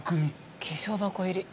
「化粧箱入り」